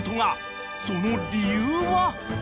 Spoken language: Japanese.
［その理由は？］